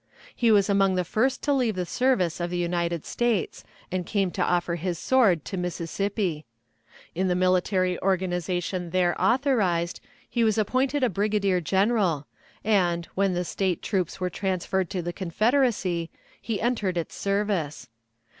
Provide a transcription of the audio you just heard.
He was among the first to leave the service of the United States, and came to offer his sword to Mississippi. In the military organization there authorized, he was appointed a brigadier general, and, when the State troops were transferred to the Confederacy, he entered its service.